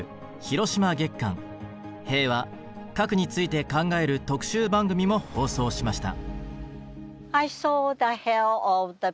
平和核について考える特集番組も放送しました。